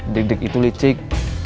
dik dik itu licik